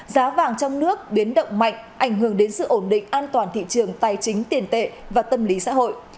giá vàng trong nước biến động mạnh ảnh hưởng đến sự ổn định an toàn thị trường tài chính tiền tệ và tâm lý xã hội